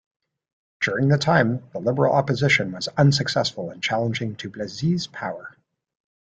During the time, the Liberal opposition was unsuccessful in challenging Duplessis' power.